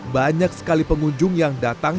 banyak sekali pengunjung yang datang